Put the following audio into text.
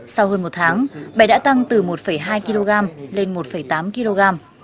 sau hơn một tháng bảy đã tăng từ một hai kg lên một tám kg